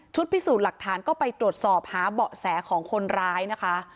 พิสูจน์หลักฐานก็ไปตรวจสอบหาเบาะแสของคนร้ายนะคะ